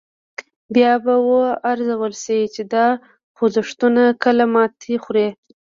بیا به و ارزول شي چې دا خوځښتونه کله ماتې خوري.